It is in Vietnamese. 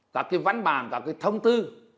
các cái văn bản các cái thông tư